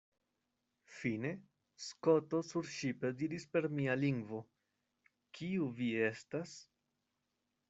Fine, Skoto surŝipe diris per mia lingvo, Kiu vi estas?